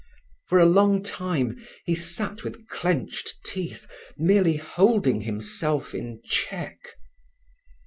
For a long time he sat with clenched teeth, merely holding himself in check.